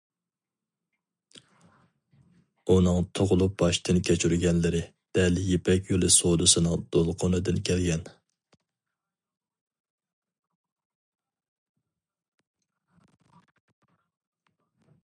ئۇنىڭ تۇغۇلۇپ باشتىن كەچۈرگەنلىرى دەل يىپەك يولى سودىسىنىڭ دولقۇنىدىن كەلگەن.